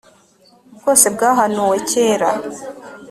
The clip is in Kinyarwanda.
bwose bwahanuwe kera